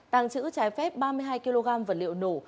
tàng trữ trái phép ba mươi hai kg vật liệu nổ